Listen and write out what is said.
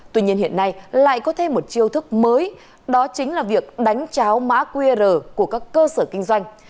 tuy nhiên hiện nay lại có thêm một chiêu thức mới đó chính là việc đánh cháo mã qr của các cơ sở kinh doanh